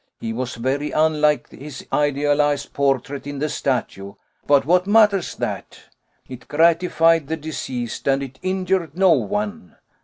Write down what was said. He was very unlike his idealised portrait in the statue; but what matters that? It gratified the deceased, and it injured no one.